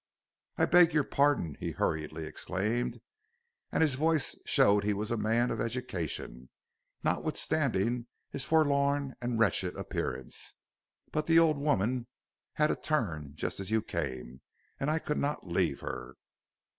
"'I beg your pardon,' he hurriedly exclaimed, and his voice showed he was a man of education, notwithstanding his forlorn and wretched appearance, 'but the old woman had a turn just as you came, and I could not leave her.'